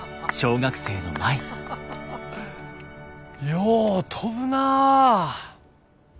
よう飛ぶなぁ。